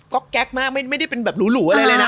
ก็แก๊กมากไม่ได้เป็นแบบหรูอะไรเลยนะ